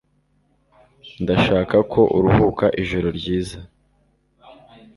Ndashaka ko uruhuka ijoro ryiza